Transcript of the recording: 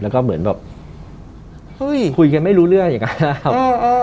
แล้วก็เหมือนแบบคุยกันไม่รู้เรื่องอย่างนั้นนะครับ